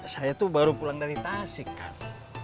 saya tuh baru pulang dari tasik kan